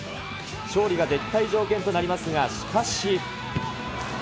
勝利が絶対条件となりますが、しかし。